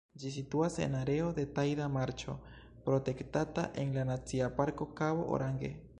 Ĝi situantas en areo de tajda marĉo protektata en la Nacia Parko Kabo Orange.